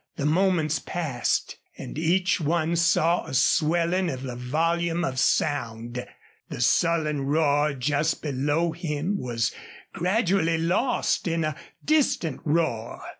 The moments passed and each one saw a swelling of the volume of sound. The sullen roar just below him was gradually lost in a distant roar.